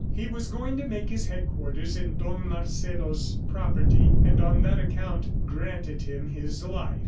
He was going to make his headquarters in Don Marcelo's property, and on that account granted him his life.